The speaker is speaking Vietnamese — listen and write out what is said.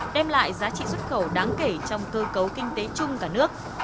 trị xuất khẩu đáng kể trong cơ cấu kinh tế chung cả nước